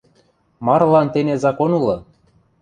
Марылан тене закон улы.